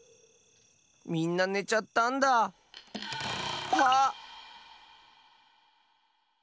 みんなねちゃったんだ。はっ！